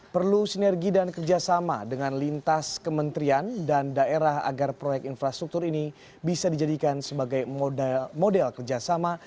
perlu sinergi dan kerjasama dengan lintas kementerian dan daerah agar proyek infrastruktur ini bisa dijadikan sebagai model kerjasama